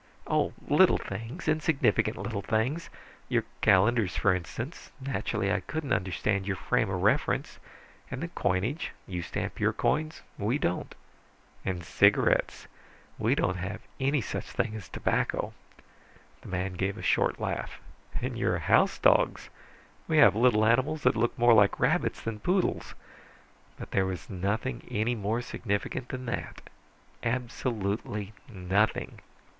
Oh, little things, insignificant little things. Your calendars, for instance. Naturally, I couldn't understand your frame of reference. And the coinage, you stamp your coins; we don't. And cigarettes. We don't have any such thing as tobacco." The man gave a short laugh. "And your house dogs! We have little animals that look more like rabbits than poodles. But there was nothing any more significant than that. Absolutely nothing."